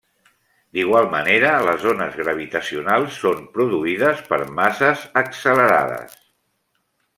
D'igual manera, les ones gravitacionals són produïdes per masses accelerades.